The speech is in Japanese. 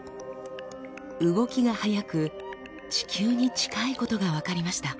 動きが速く地球に近いことが分かりました。